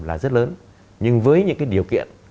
là rất lớn nhưng với những cái điều kiện